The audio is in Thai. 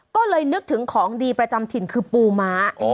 ก็เลยนึกถึงของดีประจำถิ่นคือปูม้า